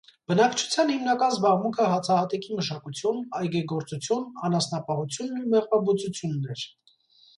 Բնակչության հիմնական զբաղմունքը հացահատիկի մշակություն, այգեգործություն, անասնապահությունն ու մեղվաբուծությունն էր։